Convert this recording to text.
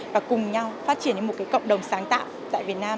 và cùng nhau phát triển thành một cái cộng đồng sáng tạo tại việt nam